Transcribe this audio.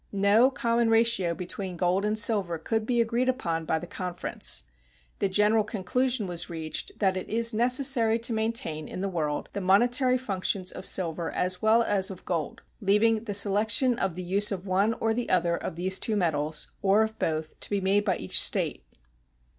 No common ratio between gold and silver could be agreed upon by the conference. The general conclusion was reached that it is necessary to maintain in the world the monetary functions of silver as well as of gold, leaving the selection of the use of one or the other of these two metals, or of both, to be made by each state.